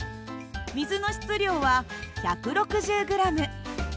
水の質量は１６０ｇ。